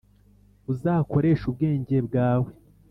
Uzakoreshe ubwenge bwawe